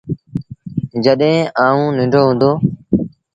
جڏهيݩ آئوٚݩ ننڍو هُݩدو۔